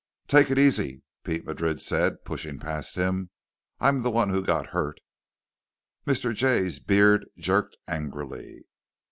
"Take it easy," Pete Madrid said, pushing past him. "I'm the one who got hurt." Mr. Jay's beard jerked angrily.